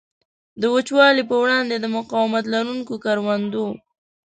د وچوالي په وړاندې د مقاومت لرونکو کروندو.